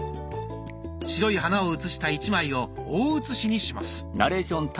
白い花を写した１枚を大写しにします。